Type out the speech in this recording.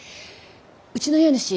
うちの家主